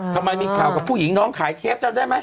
ทำไมมีข่าวกับผู้หญิงน้องขายเคฟจำได้ไหม